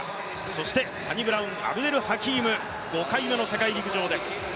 そして、サニブラウン・アブデル・ハキーム、５回目の世界陸上です。